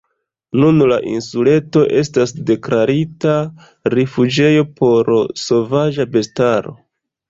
Nun la insuleto estas deklarita rifuĝejo por sovaĝa bestaro.